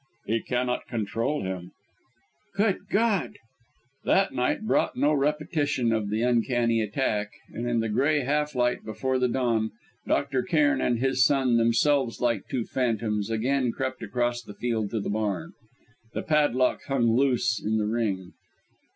"He cannot control him." "Good God!" That night brought no repetition of the uncanny attack; and in the grey half light before the dawn, Dr. Cairn and his son, themselves like two phantoms, again crept across the field to the barn. The padlock hung loose in the ring.